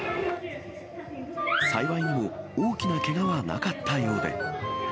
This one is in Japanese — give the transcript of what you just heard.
幸いにも、大きなけがはなかったようで。